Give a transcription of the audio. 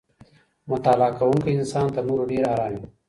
مطالعه کوونکی انسان تر نورو ډېر ارام وي.